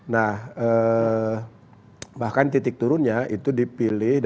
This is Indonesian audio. nah bahkan titik turunnya itu dipilih